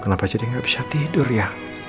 kenapa jadi nggak bisa tidur ya